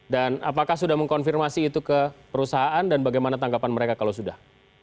dan apakah sudah mengkonfirmasi itu ke perusahaan dan bagaimana tanggapan mereka kalau sudah